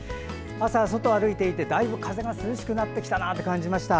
朝、外を歩いていてだいぶ風が涼しくなってきたなと感じました。